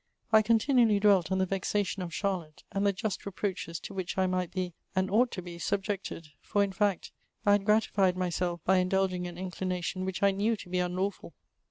I continually dwelt on the vexation of Charlotte, and the just reproaches to which I might be, and ought to * be, subjected ; for in fact, I had gratlBed myself by indulging an inclination which 1 knew to be unlawful.